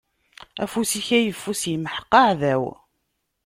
Afus-ik ayeffus imḥeq aɛdaw.